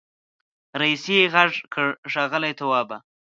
رئيسې غږ کړ ښاغلی توابه.